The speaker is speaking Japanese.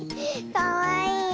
かわいいよ。